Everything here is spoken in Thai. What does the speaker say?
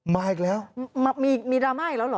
มาอีกแล้วมีดราม่าอีกแล้วเหรอ